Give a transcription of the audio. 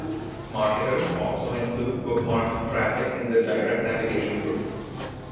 Marketers also include bookmarked traffic in the direct navigation group.